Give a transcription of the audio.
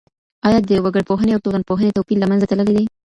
آیا د وګړپوهني او ټولنپوهني توپیر له منځه تللی دی؟